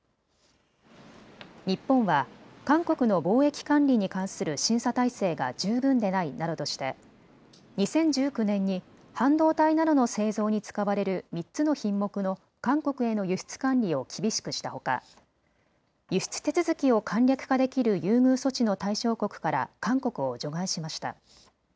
日本は韓国の貿易管理に関する審査体制が十分でないなどとして２０１９年に半導体などの製造に使われる３つの品目の韓国への輸出管理を厳しくしたほか輸出手続きを簡略化できる優遇措置の対象国から韓国を除外しました。